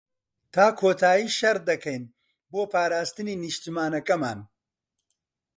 تا کۆتایی شەڕ دەکەین بۆ پاراستنی نیشتمانەکەمان.